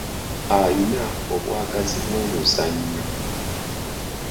Ayina obwagazi bw'omuzannyo.